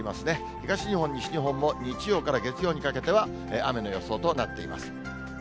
東日本、西日本も日曜から月曜にかけては雨の予想となっています。